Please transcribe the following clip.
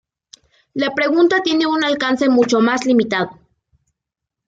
La pregunta tiene un alcance mucho más limitado.